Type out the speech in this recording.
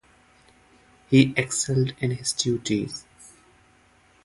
He excelled in his duties.